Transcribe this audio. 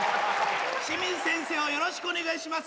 清水先生をよろしくお願いします。